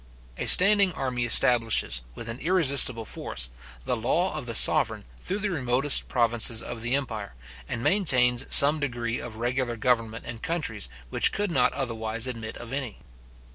A standing army establishes, with an irresistible force, the law of the sovereign through the remotest provinces of the empire, and maintains some degree of regular government in countries which could not otherwise admit of any.